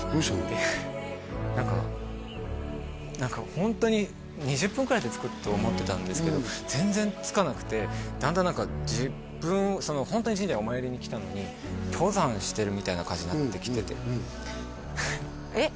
で何かホントに２０分くらいで着くと思ってたんですけど全然着かなくてだんだん自分神社にお参りに来たのに登山してるみたいな感じになってきててえっ？